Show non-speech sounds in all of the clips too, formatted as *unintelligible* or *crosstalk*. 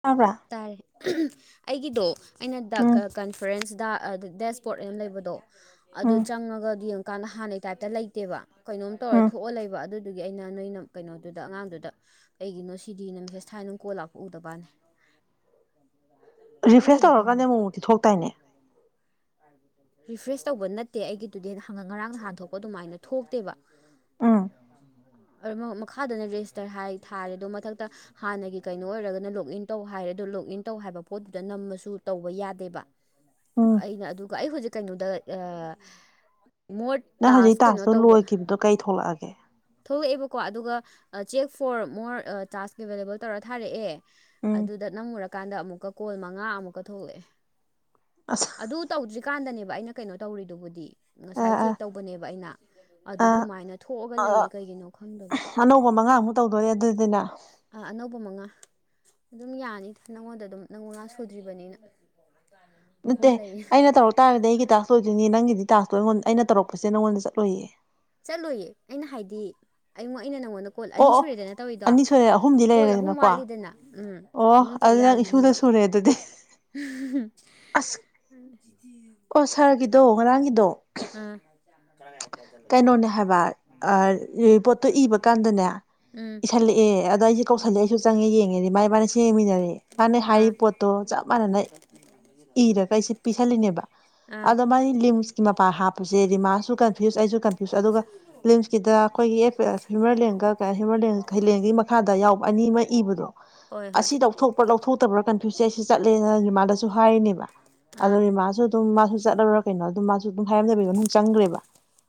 ꯇꯥꯕ꯭ꯔꯥ ꯇꯥꯔꯦ ꯑꯩꯒꯤꯗꯣ ꯑꯩꯅ ꯎꯝ ꯗꯥꯛꯀ ꯀꯟꯐꯔꯦꯟꯁ ꯗ ꯑ ꯗꯦꯁꯕꯣꯔ꯭ꯗ ꯑꯅ ꯂꯩꯕꯗꯣ ꯑꯗꯨ ꯎꯝ ꯆꯪꯉꯒ ꯌꯦꯡ ꯀꯥꯟ ꯍꯥꯟꯅꯩ ꯇꯥꯏꯞꯇ ꯂꯩꯇꯦꯕ ꯀꯩꯅꯣꯝ ꯇꯧꯔ ꯎꯝ ꯊꯣꯛꯑ ꯂꯩꯕ ꯑꯗꯨ ꯑꯗꯨꯒꯤ ꯑꯩꯅ ꯅꯣꯏ ꯀꯩꯅꯣꯗꯨꯗ ꯑꯉꯥꯡꯗꯨꯗ ꯀꯩꯒꯤꯅꯣ ꯁꯤꯗꯤꯅ ꯃꯦꯁꯦꯖ ꯊꯥꯏ ꯅꯪ ꯀꯣꯜ ꯂꯥꯛꯄ ꯎꯗꯕꯋ꯭ꯅꯦ ꯔꯤꯐ꯭ꯔꯦꯁ ꯇꯧꯔꯤꯅꯣ ꯇꯧꯔꯀꯥꯟꯗ ꯈꯪꯗꯦ ꯑꯃꯨꯃꯨꯛꯇꯤ ꯊꯣꯛꯇꯥꯏꯅꯦ ꯔꯤꯐ꯭ꯔꯦꯁ ꯇꯧꯕ ꯅꯠꯇꯦ ꯑꯩꯒꯤꯗꯨꯗꯤ ꯉꯔꯥꯡ ꯉꯍꯥꯟ ꯊꯣꯛꯄ ꯑꯗꯨꯃꯥꯏꯅ ꯊꯣꯛꯇꯦꯕ ꯎꯝ ꯑꯔꯃ ꯃꯈꯥꯗꯅ ꯔꯦꯖꯤꯁꯇꯔ ꯍꯥꯏ ꯊꯥꯔꯦ ꯑꯗꯣ ꯃꯊꯛꯇ ꯍꯥꯟꯅꯒꯤ ꯀꯩꯅꯣ ꯑꯣꯏꯔꯒꯅ ꯂꯣꯒ ꯏꯟ ꯇꯧ ꯍꯥꯏꯔꯦ ꯑꯗꯣ ꯂꯣꯒ ꯏꯟ ꯇꯧ ꯍꯥꯏꯕ ꯄꯣꯠꯇꯨꯗ ꯅꯝꯃꯁꯨ ꯇꯧꯕ ꯌꯥꯗꯦꯕ ꯎꯝ ꯑꯩꯅ ꯑꯗꯨꯒ ꯑꯩ ꯍꯧꯖꯤꯛ ꯀꯩꯅꯣꯗ ꯑꯑꯑ ꯃꯣꯔ ꯅꯪ ꯍꯧꯖꯤꯛ ꯇꯁ ꯀꯩꯅꯣ ꯇꯥꯛꯁꯇꯣ ꯇꯧꯕ ꯂꯣꯏꯈꯤꯕꯗꯣ ꯀꯩ ꯊꯣꯛꯂꯛꯑꯒꯦ ꯊꯣꯛꯂꯛꯑꯦꯕꯀꯣ ꯑꯗꯨꯒ ꯑ check for more uh charge available ꯇꯧꯔ ꯊꯥꯔꯛꯑꯦ ꯎꯝ ꯑꯗꯨꯗ ꯅꯝꯃꯨꯔꯀꯥꯟꯗ ꯑꯃꯨꯛꯀ ꯀꯣꯜ ꯃꯉꯥ ꯑꯃꯨꯛꯀ ꯊꯣꯛꯂꯛꯑꯦ ꯑꯁ ꯑꯗꯨ ꯇꯧꯗ꯭ꯔꯤꯀꯥꯟꯗꯅꯦꯕ ꯑꯩꯅ ꯀꯩꯅꯣ ꯇꯧꯔꯤꯗꯨꯕꯨꯗꯤ ꯑ ꯉꯁꯥꯏ ꯆꯦꯛ ꯇꯧꯕꯅꯦꯕ ꯑꯩꯅ ꯑ ꯑꯗꯨꯗ ꯗꯨꯃꯥꯏꯅ ꯊꯣꯛꯑꯒ ꯑ ꯂꯩꯌꯦ ꯀꯩꯒꯤꯅꯣ ꯈꯪꯗꯕ ꯑꯅꯧꯕ ꯃꯉꯥꯃꯨꯛ ꯇꯧꯗꯣꯔꯦ ꯑꯗꯨꯗꯤꯅ ꯑ ꯑꯅꯧꯕ ꯃꯉꯥ ꯑꯗꯨꯝ ꯌꯥꯅꯤꯗ ꯅꯪꯉꯣꯟꯗ ꯑꯗꯨꯝ ꯅꯪ ꯃꯉꯥ ꯁꯨꯗ꯭ꯔꯤꯕꯅꯤꯅ ꯅꯠꯇꯦ ꯑꯍꯨꯝ ꯂꯩꯌꯦ ꯑꯩꯅ ꯇꯧꯔꯛ ꯇꯥꯔꯗꯤ ꯑꯩꯒꯤ ꯇꯥꯛꯁ ꯂꯣꯏꯗꯣꯏꯅꯤ ꯅꯪꯒꯤꯗꯤ ꯇꯥꯛꯁꯇꯣ ꯑꯩꯉꯣꯟ ꯑꯩꯅ ꯇꯧꯔꯛꯄꯁꯦ ꯅꯪꯉꯣꯟꯗ ꯆꯠꯂꯣꯏꯌꯦ ꯆꯠꯂꯣꯏꯌꯦ ꯑꯩꯅ ꯍꯥꯏꯗꯤ ꯑꯩꯉꯣꯟ ꯑꯩꯅ ꯅꯪꯉꯣꯟꯗ ꯀꯣꯜ ꯑꯣ ꯑꯅꯤ ꯑꯣ ꯁꯨꯔꯦꯗꯅ ꯇꯧꯔꯤꯗꯣ ꯑꯅꯤ ꯁꯨꯔꯦ ꯑꯍꯨꯝꯗꯤ ꯀꯣꯜ ꯑꯍꯨꯝ ꯂꯩꯔꯦꯗꯅꯀꯣ ꯋꯥꯠꯂꯤꯗꯅ ꯎꯝ ꯑꯣ ꯇꯧ ꯑꯗꯨ ꯅꯪ ꯏꯁꯨꯗ ꯌꯥꯒꯤꯅꯤꯕ ꯁꯨꯔꯦ ꯑꯗꯨꯗꯤ ꯑꯁ *unintelligible* ꯑꯣ ꯁꯥꯔꯒꯤꯗꯣ ꯉꯔꯥꯡꯒꯤꯗꯣ ꯑꯥ ꯀꯩꯅꯣꯅꯦ ꯍꯥꯏꯕ ꯑ ꯔꯤꯄꯣꯠꯇꯣ ꯏꯕ ꯀꯥꯟꯗꯅꯦ ꯎꯝ ꯏꯁꯜꯂꯛꯑꯦ ꯑꯗꯣ ꯑꯩꯁꯦ ꯀꯧꯁꯜꯂꯦ ꯑꯩꯁꯨ ꯆꯪꯉꯦ ꯌꯦꯡꯉꯦꯗꯤ ꯃꯥꯥꯏ ꯏꯃꯥꯅꯤꯁꯦ ꯌꯦꯡꯃꯤꯟꯅꯔꯦ ꯃꯥꯅ ꯑꯥ ꯍꯥꯏꯔꯤꯕ ꯄꯣꯠꯇꯣ ꯆꯞ ꯃꯥꯟꯅꯅ ꯏꯔꯒ ꯑꯩꯁꯤ ꯄꯤꯁꯜꯂꯤꯅꯦꯕ ꯑꯥ ꯑꯗ ꯃꯥꯒꯤ ꯂꯤꯝ ꯃꯥꯄꯥ ꯍꯥꯞ ꯁꯦ ꯔꯤꯃꯥꯁꯨ ꯀꯟꯐ꯭ꯌꯨꯁ ꯑꯩꯁꯨ ꯀꯟꯐ꯭ꯌꯨꯁ ꯑꯗꯨꯒ ꯂꯤꯝꯁꯀꯤꯗ ꯑꯩꯈꯣꯏꯒꯤ ꯑꯦ ꯍ꯭ꯌꯨꯃꯔꯂꯦꯟꯒ ꯍ꯭ꯨꯃꯔꯂꯦꯟꯁꯒ *unintelligible* ꯃꯈꯥꯗ ꯌꯥꯎꯕ ꯑꯅꯤ ꯑꯃ ꯏꯕꯗꯣ ꯍꯣꯏ ꯍꯣꯏ ꯑꯁꯤ ꯂꯧꯊꯣꯛꯄ꯭ꯔꯥ ꯂꯧꯊꯣꯛꯇꯕ꯭ꯔꯥ ꯀꯟꯐ꯭ꯌꯨꯁꯁꯦ ꯑꯩꯁꯤ ꯆꯠꯂꯦꯅ ꯔꯤꯃꯥꯥꯗꯁꯨ ꯍꯥꯏꯔꯤꯅꯦꯕ ꯑꯗꯨ ꯑꯥ ꯔꯤꯃꯥꯁꯨ ꯑꯗꯨꯝ ꯃꯥꯁꯨ ꯆꯠꯂꯕꯔꯥ ꯀꯩꯅꯣ ꯑꯗꯨꯝ ꯃꯥꯁꯨ ꯑꯗꯨꯝ ꯍꯥꯏꯔꯝꯗꯕꯤꯗ ꯑꯗꯨꯝ ꯆꯪꯒꯔꯦꯕ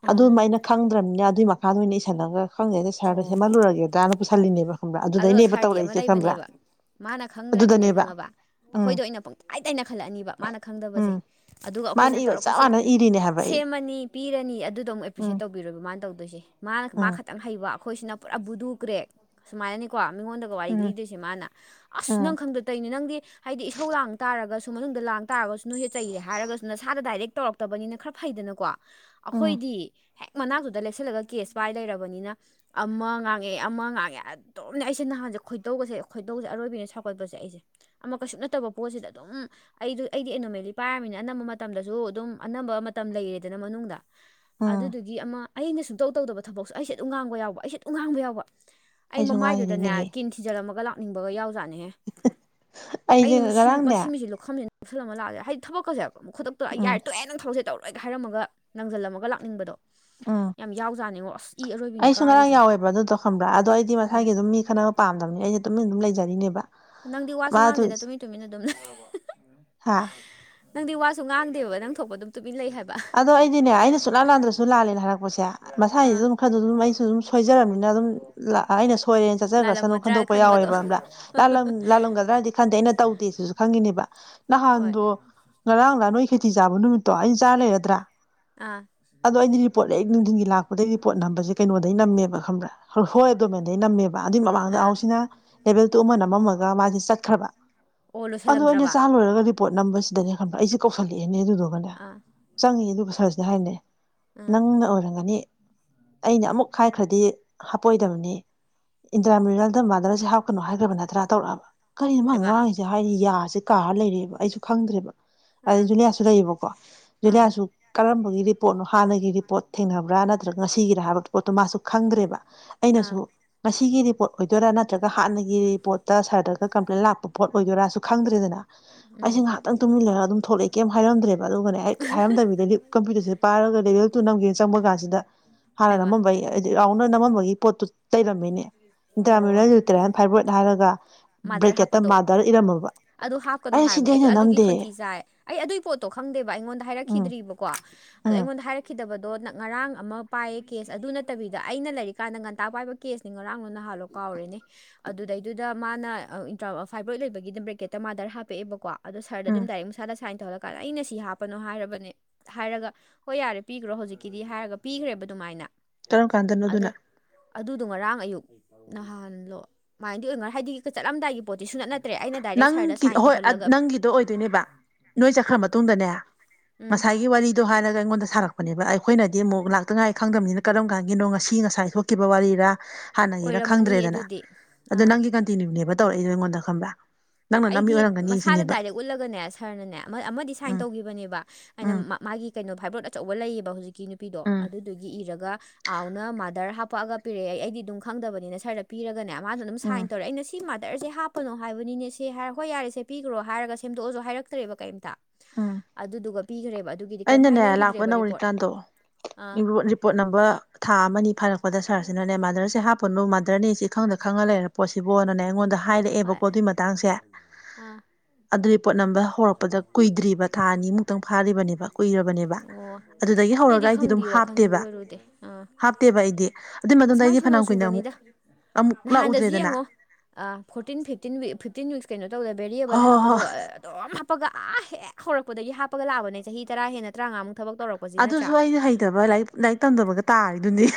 ꯑꯥ ꯈꯪꯗ꯭ꯔꯝꯅꯤꯅ ꯑꯗꯨꯏ ꯃꯈꯥꯗ ꯑꯣꯏꯅ ꯏꯁꯜꯂꯒ ꯈꯪꯗꯦꯗ ꯁꯥꯔꯗ ꯑꯣ ꯁꯦꯝꯍꯜꯂꯨꯔꯒꯦꯗꯅ ꯄꯨꯁꯤꯜꯂꯤꯅꯦꯕ ꯈꯪꯕ꯭ꯔꯥ ꯑꯗꯣ ꯑꯗꯨꯗꯩꯅꯦꯕ ꯁꯥꯔꯒꯤ ꯑꯃ ꯇꯧꯔꯛꯏꯁꯦ ꯈꯪꯕ꯭ꯔꯥ ꯂꯩꯕꯅꯦꯕ ꯃꯥꯅ ꯈꯪꯗ꯭ꯔꯗꯤꯅꯦ ꯑꯗꯨꯗꯅꯦꯕ ꯈꯪꯉꯕ ꯎꯝ ꯑꯩꯈꯣꯏꯗ ꯑꯣꯏꯅ ꯄꯪꯇꯥꯏ ꯇꯥꯏꯅꯈꯜꯂꯛꯑꯅꯤꯕ ꯃꯥꯅ ꯈꯪꯗꯕꯁꯦ ꯎꯝ ꯑꯗꯨꯒ ꯃꯥꯅ ꯑꯩꯈꯣꯏꯅ ꯏꯕ ꯆꯞ ꯇꯧꯔꯛꯄꯁꯦ ꯃꯥꯟꯅꯅ ꯏꯔꯤꯅꯦ ꯍꯥꯏꯕ ꯑꯩ ꯁꯦꯝꯃꯅꯤ ꯄꯤꯔꯅꯤ ꯑꯗꯨꯗꯣ ꯑꯃꯨꯛ ꯎꯝ ꯑꯦꯄ꯭ꯔꯤꯁꯦꯠ ꯇꯧ ꯕꯤꯔꯣꯏꯕ ꯃꯥꯅ ꯇꯧꯗꯣꯏꯁꯦ ꯃꯥꯅ ꯃꯥ ꯎꯝ ꯈꯇꯪ ꯍꯩꯕ ꯑꯩꯈꯣꯏꯁꯤꯅ ꯄꯨꯔꯥ ꯕꯨꯗꯨ ꯀ꯭ꯔꯦꯛ ꯁꯨꯃꯥꯏꯅꯅꯤꯀꯣ ꯃꯤꯉꯣꯟꯗꯒ ꯒ ꯋꯥꯔꯤ ꯎꯝ ꯂꯤꯗꯣꯏꯁꯦ ꯃꯥꯅ ꯑꯁ ꯅꯪ ꯎꯝ ꯈꯪꯗ ꯇꯧꯅꯤ ꯅꯪꯗꯤ ꯍꯥꯏꯗꯤ ꯏꯁꯧ ꯂꯥꯡ ꯇꯥꯔꯒꯁꯨ ꯃꯅꯨꯡꯗ ꯂꯥꯡ ꯇꯥꯔꯒꯁꯨ ꯅꯣꯏꯁꯦ ꯆꯩꯔꯦ ꯍꯥꯏꯔꯒꯁꯨ ꯅꯁꯥꯗ ꯗꯥꯏꯔꯦꯛ ꯇꯧꯔꯛꯇꯕꯅꯤꯅ ꯈꯔ ꯐꯩꯗꯅꯀꯣ ꯎꯝ ꯑꯩꯈꯣꯏꯗꯤ ꯍꯦꯛ ꯃꯅꯥꯛꯇꯨꯗ ꯂꯦꯞꯁꯤꯜꯂꯒ ꯀꯦꯁ ꯄꯥꯏ ꯂꯩꯔꯕꯅꯤꯅ ꯑꯃ ꯉꯥꯡꯉꯦ ꯑꯃ ꯉꯥꯡꯉꯦ ꯑꯗ ꯗꯨꯝꯅꯦ ꯑꯩꯁꯦ ꯅꯍꯥꯟꯁꯦ ꯈꯣꯏꯗꯧꯒꯁꯦ ꯈꯣꯏꯗꯧꯁꯦ ꯑꯔꯣꯏꯕꯤꯅꯦ ꯁꯥꯎꯒꯠꯄꯁꯦ ꯑꯩꯁꯦ ꯑꯃ ꯀꯩꯁꯨ ꯅꯠꯇꯕ ꯄꯣꯠꯁꯤꯗ ꯑꯗꯨꯝ ꯑꯩꯗꯨ ꯑꯩꯗꯤ ꯑꯦꯅꯣꯃꯦꯂꯤ ꯄꯥꯏꯔꯃꯤꯅ ꯑꯅꯝꯕ ꯃꯇꯝꯗꯖꯨ ꯑꯗꯨꯝ ꯑꯅꯝꯕ ꯃꯇꯝ ꯂꯩꯔꯦꯗꯅ ꯃꯅꯨꯡꯗ ꯎꯝ ꯑꯗꯨꯗꯨꯒꯤ ꯑꯃ ꯑꯩ ꯁꯨꯡꯇꯧ ꯇꯧꯗꯕ ꯊꯕꯛꯁꯨ ꯑꯩꯁꯦ ꯑꯗꯨꯝ ꯉꯥꯡꯕ ꯌꯥꯎꯕ ꯑꯩꯁꯦ ꯑꯗꯨꯝ ꯉꯥꯡꯕ ꯌꯥꯎꯕ ꯑꯩ ꯑꯩꯁꯨ ꯃꯃꯥꯏꯗꯨꯗꯅꯦ ꯉꯥꯡꯉꯤꯅꯤꯅꯦꯍꯦ ꯀꯤꯟ ꯊꯤꯖꯤꯜꯂꯝꯃꯒ ꯂꯥꯛꯅꯤꯡꯕꯒ ꯌꯥꯎꯖꯥꯠꯅꯦꯍꯦ ꯑꯩꯁꯦ ꯑꯩꯅ ꯃꯁꯤ ꯉꯔꯥꯡꯅꯦ ꯃꯁꯤ ꯃꯤꯁꯤ ꯂꯧꯈꯝꯁꯤ ꯁꯤꯟꯂꯒ ꯂꯥꯛꯑꯁꯤꯔ ꯍꯥꯏꯗꯤ ꯊꯕꯛꯀꯁꯦ ꯑꯃ ꯈꯨꯗꯛꯇ ꯎꯝ ꯅꯪ ꯊꯕꯛꯁꯦ ꯇꯧꯔꯣꯏꯒ ꯍꯥꯏꯔꯝꯃꯒ ꯅꯪꯁꯤꯜꯂꯝꯃꯒ ꯂꯥꯛꯅꯤꯡꯕꯗꯣ ꯎꯝ ꯌꯥꯝ ꯌꯥꯎꯖꯥꯠꯅꯤꯉꯣ ꯑꯁ ꯏ ꯑꯔꯣꯏꯕꯤꯅꯦ ꯑꯩꯁꯨ ꯉꯔꯥꯡ ꯀꯥꯔꯤꯁꯦ ꯌꯥꯎꯋꯦꯕ ꯑꯗꯨꯗꯣ ꯈꯪꯕ꯭ꯔꯥ ꯑꯗꯣ ꯑꯩꯗꯤ ꯎꯝ ꯃꯁꯥꯒꯤ ꯑꯗꯨꯝ ꯃꯤ ꯈꯠꯅꯕ ꯄꯥꯝꯗꯕꯅꯤ ꯑꯩꯩꯅ ꯇꯨꯃꯤꯟꯅ ꯑꯗꯨꯝ ꯂꯩꯖꯔꯤꯅꯦꯕ ꯅꯪꯗꯤ ꯋꯥꯁꯨ ꯃꯥꯗꯨ ꯉꯥꯡꯗꯦꯗ ꯇꯨꯃꯤꯟ ꯇꯨꯃꯤꯟꯅ ꯑꯗꯨꯝ ꯂꯩ ꯍꯥ ꯅꯪꯗꯤ ꯋꯥꯁꯨ ꯉꯥꯡꯗꯦꯕ ꯅꯪ ꯊꯣꯛꯄ ꯑꯗꯨꯝ ꯇꯨꯝꯃꯤꯟ ꯂꯩ ꯍꯥꯏꯕ ꯑꯗꯣ ꯑꯩꯗꯤꯅꯦ ꯑꯩꯅ ꯁꯨꯛꯂꯥꯟ ꯂꯥꯟꯗ꯭ꯔꯁꯨ ꯂꯥꯜꯂꯅ ꯍꯥꯏꯔꯛꯄꯁꯦ ꯃꯁꯥꯒꯤꯗꯤ ꯑꯥ ꯑꯗꯨꯝ ꯈꯔꯗ ꯑꯗꯨꯝ ꯑꯩꯁꯨ ꯑꯗꯨꯝ ꯁꯣꯏꯖꯔꯕꯅꯤꯅ ꯑꯗꯨꯝ ꯂ ꯑꯩꯅ ꯁꯣꯏꯔꯦꯅ ꯆꯠꯆꯈ꯭ꯔꯁꯅꯨ ꯂꯥꯜꯂꯝꯃꯗ꯭ꯔꯥ ꯈꯟꯗꯣꯛꯄ ꯈꯟꯕꯗꯣ ꯌꯥꯎꯋꯦꯕ ꯈꯪꯕꯔꯥ ꯂꯥꯜꯂꯝ ꯂꯥꯜꯂꯝꯒꯗ꯭ꯔꯗꯤ ꯈꯟꯗꯦ ꯑꯩꯅ ꯇꯧꯗꯦ ꯁꯤꯁꯨ ꯈꯪꯉꯤꯅꯦꯕ ꯍꯣꯏ ꯅꯍꯥꯟꯗꯣ ꯉꯔꯥꯡ ꯂ ꯅꯣꯏ ꯈꯦꯆꯤ ꯆꯥꯕ ꯅꯨꯃꯤꯠꯇꯣ ꯑꯩ ꯆꯥꯔ ꯂꯩꯔꯗ꯭ꯔꯥ ꯑꯥ ꯑꯗꯣ ꯑꯩꯗꯤ ꯔꯤꯄꯣꯠ ꯍ ꯅꯨꯡꯊꯤꯟꯒꯤ ꯂꯥꯛꯄꯗꯒꯤ ꯔꯤꯄꯣꯠ ꯅꯝꯕꯁꯦ ꯀꯩꯅꯣꯗꯒꯤ ꯅꯝꯃꯦꯕ ꯈꯪꯕ꯭ꯔꯥ ꯍꯣꯏ ꯍꯣꯏ ꯑꯗꯨꯃꯦꯟꯗꯩ ꯅꯝꯃꯦꯕ ꯑꯗꯨꯏ ꯃꯃꯥꯡꯗ ꯑꯥ ꯑꯍꯥꯎꯁꯤꯅ ꯂꯦꯚꯦꯜ ꯇꯨ ꯑꯃ ꯅꯝꯃꯝꯃꯒ ꯃꯥꯁꯦ ꯆꯠꯈ꯭ꯔꯕ ꯑꯣ ꯑꯗꯣ ꯑꯩꯅ ꯂꯣꯏꯁꯤꯜꯂꯝꯗ꯭ꯔꯕ ꯆꯥꯂꯣꯏꯔꯒ ꯄꯣꯠ ꯅꯝꯕꯁꯤꯗꯅꯦ ꯈꯪꯑꯕ ꯑꯩꯁꯦ ꯀꯧꯁꯜꯂꯛꯑꯦꯅꯦ ꯑꯗꯨꯗꯣ ꯑꯥ ꯆꯪꯉꯤ ꯑꯗꯨꯕꯨ ꯁꯥꯔꯁꯤꯗ ꯍꯥꯏꯅꯦ ꯑꯥ ꯅꯪꯅ ꯑꯣꯏꯔꯝꯒꯅꯤ ꯑꯩꯅ ꯑꯃꯨꯛ ꯍꯥꯏꯈ꯭ꯔꯗꯤ ꯍꯥꯄꯣꯏꯗꯕꯅꯤ ꯏꯟꯇ꯭ꯔꯥ ꯃꯦꯖꯜꯗ ꯃꯥꯗꯔꯁꯦ ꯍꯥꯞꯒꯅꯣ ꯍꯥꯏꯈ꯭ꯔꯕ ꯅꯠꯇ꯭ꯔꯥ ꯇꯧꯔꯛꯑꯕ ꯀꯔꯤꯅꯣ ꯃꯥ ꯍꯩꯃꯥ ꯉꯥꯡꯉꯤꯁꯦ ꯍꯥꯏꯗꯤ ꯌꯥꯁꯦ ꯀꯥꯔ ꯂꯩꯔꯦꯕ ꯑꯩꯁꯨ ꯈꯪꯗ꯭ꯔꯦꯕ ꯑꯥ ꯑꯗꯩ ꯖꯨꯅꯤꯌꯥꯁꯨ ꯂꯩꯌꯦꯕꯀꯣ ꯑꯥ ꯖꯨꯅꯤꯌꯥꯁꯨ ꯀꯔꯝꯕꯒꯤ ꯄꯣꯠꯅꯣ ꯍꯥꯟꯅꯒꯤ ꯔꯤꯄꯣꯠ ꯊꯦꯡꯅꯕ꯭ꯔꯥ ꯅꯠꯇ꯭ꯔꯒ ꯉꯁꯤꯒꯤꯔꯥ ꯍꯥꯏꯕ ꯄꯣꯠꯇꯣ ꯃꯥꯁꯨ ꯈꯪꯗ꯭ꯔꯦꯕ ꯑꯩꯅꯁꯨ ꯑꯥ ꯉꯁꯤꯒꯤ ꯔꯤꯄꯣꯠ ꯑꯣꯏꯗꯣꯏꯔꯥ ꯅꯠꯇ꯭ꯔꯒ ꯍꯥꯟꯅꯒꯤ ꯔꯤꯄꯣꯠꯇ ꯁꯥꯔꯗꯒ ꯀꯝꯄ꯭ꯂꯦꯟ ꯂꯥꯛꯄ ꯄꯣꯠ ꯑꯣꯏꯗꯣꯏꯔꯥꯁꯨ ꯈꯪꯗ꯭ꯔꯦꯗꯅ ꯑꯩꯁꯦ ꯎꯝ ꯉꯥꯏꯍꯥꯛꯇꯪ ꯇꯨꯃꯤꯜ ꯂꯩꯔꯒ ꯑꯗꯨꯝ ꯊꯣꯛꯂꯛꯑꯦ ꯀꯦꯝ ꯍꯥꯏꯔꯝꯗ꯭ꯔꯦꯕ ꯑꯗꯨꯒꯅꯦ ꯑꯩ ꯍꯥꯏꯔꯝꯗꯕꯤꯗ ꯀꯝꯄ꯭ꯌꯨꯇꯔꯁꯦ ꯄꯥꯏꯔꯒ ꯂꯦꯚꯦꯜ ꯇꯨ ꯅꯝꯒꯦꯅ ꯆꯪꯕ ꯀꯥꯟꯁꯤꯗ ꯍꯥꯟꯅ ꯍꯩꯃꯥ ꯑꯃꯃꯝꯕꯩ ꯑꯩ ꯔꯥꯎꯅ ꯅꯝꯃꯝꯕꯒꯤ ꯄꯣꯠꯇꯨ ꯂꯩꯔꯝꯃꯤꯅꯦ ꯑꯣ ꯏꯟꯇꯔꯥꯃꯜꯨꯇꯔꯟ ꯐꯥꯏꯕ꯭ꯔꯣꯏꯗ ꯍꯥꯏꯔꯒ ꯃꯥꯗꯔ ꯕ꯭ꯔꯦꯀꯦꯠꯇ ꯍꯥꯞꯄꯗꯣ ꯃꯥꯗꯔ ꯏꯔꯝꯃꯕ ꯑꯗꯨ ꯍꯥꯞꯀꯅꯨ ꯑꯩꯅ ꯁꯤꯗꯤ ꯍꯥꯏꯕꯅꯦ ꯑꯩꯁꯨ ꯑꯩꯅ ꯑꯗꯨꯒꯤ ꯅꯝꯗꯦ ꯈꯣꯟꯊꯤ ꯆꯥꯏ ꯑꯩ ꯑꯗꯨꯒꯤ ꯄꯣꯠꯇꯣ ꯈꯪꯗꯦꯕ ꯑꯩꯉꯣꯟꯗ ꯎꯝ ꯍꯥꯏꯔꯛꯈꯤꯗ꯭ꯔꯤꯕꯀꯣ ꯑꯗꯣ ꯎꯝ ꯑꯩꯉꯣꯟꯗ ꯍꯥꯏꯔ ꯀꯗꯕꯗꯣ ꯉꯔꯥꯡ ꯑꯃ ꯄꯥꯏꯌꯦ ꯀꯦꯁ ꯑꯗꯨ ꯅꯠꯇꯕꯤꯗ ꯑꯩꯅ ꯂꯩꯔꯤꯀꯥꯟꯗ ꯉꯟꯇꯥ ꯄꯥꯏꯕ ꯀꯦꯁꯅꯤ ꯉꯔꯥꯡꯂ ꯅꯍꯥꯟꯜꯂꯣ ꯀꯥꯎꯔꯦꯅꯦ ꯑꯗꯨꯗꯩꯗꯨꯗ ꯃꯥꯅ ꯏꯟꯇ꯭ꯔꯥ ꯐꯥꯏꯕ꯭ꯔꯣꯏꯗ ꯂꯩꯕꯒꯤꯗ ꯕ꯭ꯔꯦꯀꯦꯠꯇ ꯃꯥꯗꯔ ꯍꯥꯞꯄꯛꯑꯦꯕꯀꯣ ꯑꯗꯣ ꯁꯥꯔꯗ ꯎꯝ ꯑꯗꯨꯝ ꯗꯥꯏꯔꯦꯛ ꯃꯁꯥꯗ ꯁꯥꯏꯟ ꯇꯧꯍꯜꯂꯀꯥꯟꯗ ꯑꯩꯅ ꯁꯤ ꯍꯥꯞꯄꯅꯣ ꯍꯥꯏꯔꯕꯅꯦ ꯍꯥꯏꯔꯒ ꯍꯣꯏ ꯌꯥꯔꯦ ꯄꯤꯈ꯭ꯔꯣ ꯍꯧꯖꯤꯛꯀꯤꯗꯤ ꯍꯥꯏꯔꯒ ꯄꯤꯈ꯭ꯔꯦꯕ ꯑꯗꯨꯃꯥꯏꯅ ꯀꯔꯝ ꯀꯥꯟꯗꯅꯣ ꯑꯗ ꯑꯗꯨꯅ ꯑꯗꯨ ꯑꯗꯨ ꯉꯔꯥꯡ ꯑꯌꯨꯛ ꯅꯍꯥꯟꯂꯣ ꯑꯗꯨꯃꯥꯏꯅꯗꯤ ꯑꯣꯏꯅꯔ ꯍꯥꯏꯗꯤ ꯆꯠꯂꯝꯗꯥꯏꯒꯤ ꯄꯣꯠꯇꯤ ꯁꯨ ꯅꯠ ꯅꯠꯇꯦ ꯅꯠꯇ꯭ꯔꯦ ꯑꯩꯅ ꯗꯥꯏꯔꯦꯛ ꯁꯥꯔꯗ ꯅꯪꯒꯤ ꯁꯥꯏꯟ ꯍꯣꯏ ꯇꯧꯍꯜꯂꯒ ꯅꯪꯒꯤꯗꯣ ꯑꯣꯏꯗꯣꯏꯅꯦꯕ ꯅꯣꯏ ꯆꯠꯈ꯭ꯔ ꯃꯇꯨꯡꯗꯅꯦ ꯎꯝ ꯉꯁꯥꯏꯒꯤ ꯋꯥꯔꯤ ꯑꯗꯨꯗꯣ ꯍꯥꯏꯔꯒ ꯑꯩꯉꯣꯟꯗ ꯁꯥꯔꯛꯄꯅꯦꯕ ꯑꯩꯈꯣꯏꯅꯗꯤ ꯑꯃꯨꯛ ꯂꯥꯛꯇ ꯉꯥꯏꯔꯤ ꯈꯪꯗꯕꯅꯤꯅ ꯀꯔꯝ ꯀꯥꯟꯗꯒꯤꯅꯣ ꯉꯁꯤ ꯉꯁꯥꯏ ꯊꯣꯛ ꯈꯤꯕ ꯋꯥꯔꯤꯔꯥ ꯍꯥꯟꯅꯒꯤꯅ ꯑꯣꯏꯔꯝꯃꯅꯤ ꯈꯪꯗ꯭ꯔꯦꯗꯅ ꯑꯗꯨꯗꯤ ꯑꯗꯣ ꯑꯥ ꯅꯪꯒꯤ ꯀꯟꯇꯤꯅ꯭ꯌꯨꯅꯦꯕ ꯇꯧꯔꯛꯏꯗꯣ ꯑꯩꯉꯣꯟꯗ ꯈꯪꯕ꯭ꯔꯥ ꯅꯪꯅ ꯅꯝꯃꯤ ꯑꯩꯗꯤ ꯑꯣꯏꯔꯝꯒꯅꯤ ꯃꯁꯥꯗ ꯁꯤꯅꯦꯕ ꯗꯥꯏꯔꯦꯛ ꯎꯠꯂꯒꯅꯦ ꯁꯥꯔꯅꯅꯦ ꯑꯃꯗꯤ ꯁꯥꯏꯟ ꯎꯝ ꯇꯧꯈꯤꯕꯅꯦꯕ ꯑꯩꯅ ꯎꯝ ꯃꯥꯒꯤ ꯀꯩꯅꯣ ꯚꯥꯏꯕ꯭ꯔꯣꯠ ꯑꯆꯧꯕ ꯂꯩꯌꯦꯕ ꯍꯧꯖꯤꯛꯀꯤ ꯅꯨꯄꯤꯗꯣ ꯎꯝ ꯑꯗꯨꯗꯨꯒꯤ ꯏꯔꯒ ꯑꯥꯎꯅ ꯃꯥꯗꯔ ꯍꯥꯞꯄꯛꯑꯒ ꯄꯤꯔꯛꯑꯦ ꯑꯩꯗꯤ ꯑꯗꯨꯝ ꯈꯪꯗꯕꯅꯤꯅ ꯁꯔꯗ ꯄꯤꯔꯒꯅꯦ ꯃꯥꯅ ꯑꯗꯨꯝ ꯁꯥꯏꯟ ꯎꯝ ꯇꯧꯔꯛꯑꯦ ꯑꯩꯅ ꯁꯤ ꯁꯤ ꯃꯥꯗꯔꯁꯦ ꯍꯥꯞꯄꯅꯣ ꯍꯥꯏꯕꯅꯤꯅꯦ ꯁꯤ ꯍꯥꯏ ꯍꯣꯏ ꯌꯥꯔꯦꯁꯦ ꯄꯤꯈ꯭ꯔꯣ ꯍꯥꯏꯔꯒ ꯁꯦꯝꯗꯣꯛꯑꯁꯨ ꯍꯥꯏꯔꯛꯇ꯭ꯔꯦꯕ ꯀꯩꯝꯇ ꯎꯝ ꯑꯗꯨꯗꯨꯒ ꯄꯤꯈ꯭ꯔꯦꯕ ꯑꯗꯨꯒꯤꯗꯤ ꯀꯩꯝ ꯑꯩꯅꯅꯦ ꯂꯥꯛꯄ ꯍꯥꯏꯅꯈꯤꯗ꯭ꯔꯦꯕ ꯔꯤꯄꯣꯔꯠ ꯅꯧꯔꯤꯀꯥꯟꯗꯣ ꯑꯥ ꯔꯤꯄꯣꯠ ꯅꯝꯕ ꯊꯥ ꯑꯃ ꯑꯅꯤ ꯐꯥꯔꯛꯄꯗ ꯁꯥꯔꯁꯤꯅꯅꯦ ꯃꯥꯗꯔꯁꯦ ꯍꯥꯞꯄꯅꯨ ꯃꯥꯗꯔꯅꯦ ꯁꯤ ꯈꯪꯗ ꯈꯪꯉꯥ ꯂꯩꯔꯕ ꯄꯣꯠꯁꯤꯕꯣꯅꯅꯦ ꯑꯩꯉꯣꯟꯗ꯫ ꯍꯣꯏ ꯍꯥꯏꯔꯛꯑꯦꯕꯀꯣ ꯑꯗꯨꯏ ꯃꯇꯥꯡꯁꯦ ꯑꯥ ꯑꯗꯨꯒꯤ ꯄꯣꯠ ꯅꯝꯕꯔ ꯍꯧꯔꯛꯄꯗ꯫ ꯀꯨꯏꯗ꯭ꯔꯤꯕ ꯊꯥ ꯑꯅꯤꯃꯨꯛꯇꯪ ꯐꯥꯔꯤꯕꯅꯦꯕ꯫ ꯀꯨꯏꯔꯕꯅꯦꯕ ꯑꯣ ꯑꯗꯨꯗꯒꯤ ꯍꯧꯔꯒ ꯑꯩꯗꯤ ꯑꯗꯨꯝ ꯈꯪꯗꯦ ꯋꯥꯈꯟꯕꯨ ꯍꯥꯞꯇꯦꯕ ꯑꯣꯏꯔꯨꯗꯦ ꯑꯥ ꯍꯥꯞꯇꯦꯕ ꯑꯩꯗꯤ꯫ ꯑꯗꯨꯏ ꯑꯁ ꯃꯇꯨꯡꯗ ꯃꯥꯏ ꯑꯩꯗꯤ ꯁꯣꯅꯣ ꯐꯅꯌꯥꯝ ꯀꯨꯏꯅ ꯑꯃꯨꯛ ꯆꯨꯕꯅꯤꯗ ꯑꯃꯨꯛ ꯅꯍꯥꯟꯗꯁꯨ ꯂꯥꯛꯎꯗ꯭ꯔꯦꯗꯅ꯫ ꯌꯦꯡꯉꯣ fourteen fifteen week fifteen weeks ꯀꯩꯅꯣ ꯇꯧꯗ ꯍꯣꯏ ꯕꯦꯔꯤꯌꯦꯕꯜ ꯍꯣꯏ ꯍꯥꯞꯄꯗꯣ꯫ ꯍꯣꯏ ꯑꯗꯨꯝ ꯍꯥꯞꯄꯒ ꯑꯥ ꯍꯦꯛ ꯍꯧꯔꯛꯄꯗꯒꯤ ꯍꯥꯞꯄꯒ ꯂꯥꯛꯑꯕꯅꯦ ꯆꯍꯤ ꯇꯔꯥ ꯍꯦꯟꯅ ꯇꯔꯥꯃꯉꯥꯃꯨꯛ ꯊꯕꯛ ꯇꯧꯔꯛꯄ꯫ ꯑꯗꯨꯁꯨ ꯑꯩꯅ ꯍꯩꯇꯕ ꯂꯥꯏꯔꯤꯛ ꯂꯥꯏꯔꯤꯛ ꯇꯝꯗꯕꯒ ꯇꯥꯔꯤꯗꯨꯅꯤ